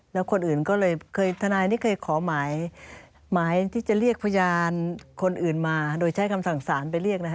แล้วถนายเคยขอหมายที่เรียกพยานคนอื่นมาโดยใช้คำสั่งสารไปเรียกนะครับ